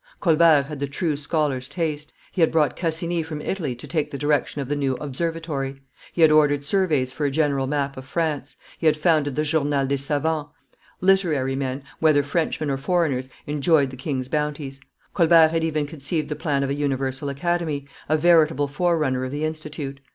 Colbert had the true scholar's taste; he had brought Cassini from Italy to take the direction of the new Observatory; he had ordered surveys for a general map of France; he had founded the Journal des Savants; literary men, whether Frenchmen or foreigners, enjoyed the king's bounties. Colbert had even conceived the plan of a Universal Academy, a veritable forerunner of the Institute.